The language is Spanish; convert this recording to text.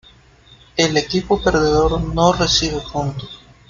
El equipo perdedor no recibe puntos.